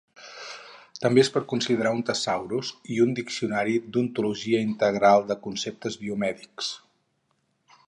També es pot considerar un tesaurus i un diccionari d'ontologia integral de conceptes biomèdics.